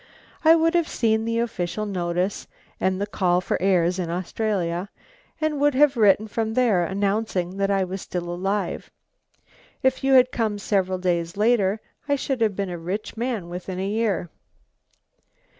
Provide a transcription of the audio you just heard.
I would have seen the official notice and the call for heirs in Australia, and would have written from there, announcing that I was still alive. If you had come several days later I should have been a rich man within a year."